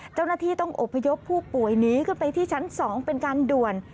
เจ้าหน้าที่ต้องอบพยพผู้ป่วยหนีขึ้นไปที่ชั้น๒เป็นการด่วน